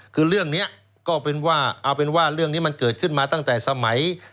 คือเรื่องนี้มันเกิดขึ้นมาตั้งแต่สมัย